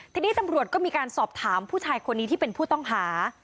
ทีนี้ตำรวจก็มีการสอบถามผู้ชายคนนี้ที่เป็นผู้ต้องหา